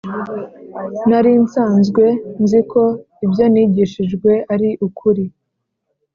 Nari nsanzwe nzi ko ibyo nigishijwe ari ukuri